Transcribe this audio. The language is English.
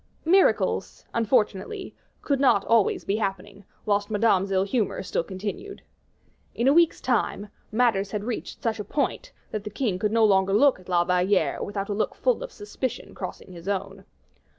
Miracles, unfortunately, could not be always happening, whilst Madame's ill humor still continued. In a week's time, matters had reached such a point, that the king could no longer look at La Valliere without a look full of suspicion crossing his own.